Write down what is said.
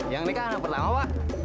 yang ini kak anak pertama pak